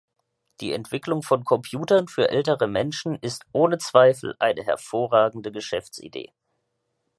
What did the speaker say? Die Entwicklung von Computern für ältere Menschen ist ohne Zweifel eine hervorragende Geschäftsidee.